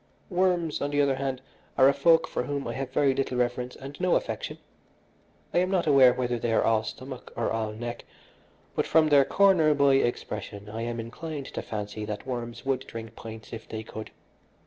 Worms, on the other hand, are a folk for whom I have very little reverence and no affection. I am not aware whether they are all stomach or all neck, but from their corner boy expression I am inclined to fancy that worms would drink pints if they could.